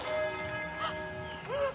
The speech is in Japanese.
あっ！